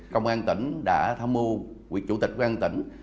công an tỉnh đã tham mưu quỹ chủ tịch công an tỉnh